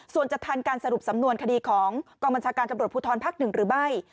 ส่วนจะทันการสรุปสำนวนคดีของกองบัญชาการตำรวจภูทรภักดิ์๑หรือไม่